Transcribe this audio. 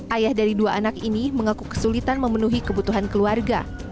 ayah dari dua anak ini mengaku kesulitan memenuhi kebutuhan keluarga